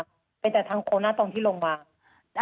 เดียวแต่ทางโค้งน้ำตรงที่ลงมา